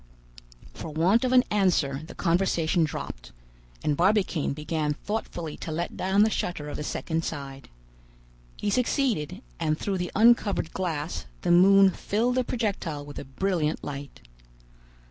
For want of an answer the conversation dropped, and Barbicane began thoughtfully to let down the shutter of the second side. He succeeded; and through the uncovered glass the moon filled the projectile with a brilliant light.